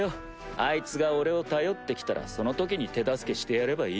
あいつが俺を頼ってきたらその時に手助けしてやればいい。